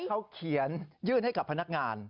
เขาเขียนยื่นให้กับพนักงาน